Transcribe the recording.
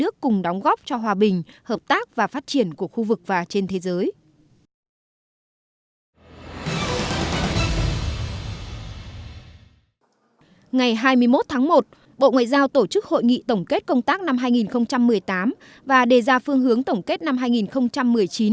trước tháng một bộ ngoại giao tổ chức hội nghị tổng kết công tác năm hai nghìn một mươi tám và đề ra phương hướng tổng kết năm hai nghìn một mươi chín